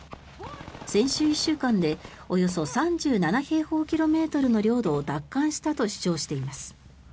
先週１週間でおよそ３７平方キロメートルの領土を奪還したと主張しています。